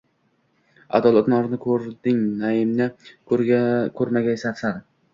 Adolat norini koʻrding naimni koʻrmagaysan, san